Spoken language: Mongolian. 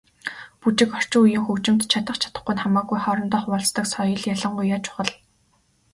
Бүжиг, орчин үеийн хөгжимд чадах чадахгүй нь хамаагүй хоорондоо хуваалцдаг соёл ялангуяа чухал.